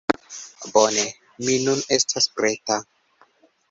Bone, mi nun estas preta.